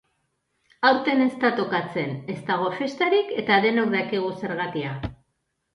Aurten ez da tokatzen, ez dago festarik eta denok dakigu zergatia.